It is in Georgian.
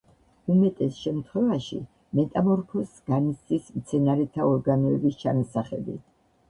უმეტეს შემთხვევაში მეტამორფოზს განიცდის მცენარეთა ორგანოების ჩანასახები.